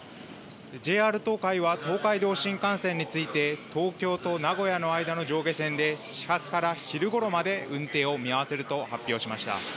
ＪＲ東海は東海道新幹線について、東京と名古屋の間の上下線で、始発から昼ごろまで運転を見合わせると発表しました。